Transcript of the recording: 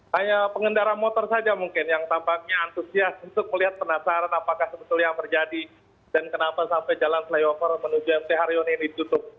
hanya pengendara motor saja mungkin yang tampaknya antusias untuk melihat penasaran apakah sebetulnya yang terjadi dan kenapa sampai jalan flyover menuju mt haryono ini tutup